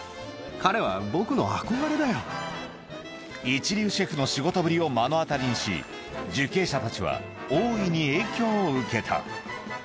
一流シェフの仕事ぶりを目の当たりにし受刑者たちは大いに影響を受けたそうか。